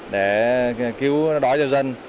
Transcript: để cứu đói cho dân